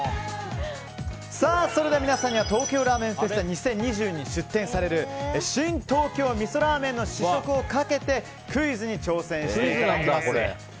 それでは皆さんには東京ラーメンフェスタ２０２２に出店されるシン・東京味噌ラーメンの試食をかけてクイズに挑戦していただきます。